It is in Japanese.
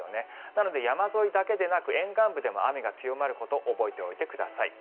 なので山沿いだけでなく沿岸部でも雨が強まること覚えておいてください。